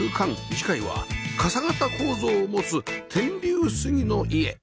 次回は傘形構造を持つ天竜杉の家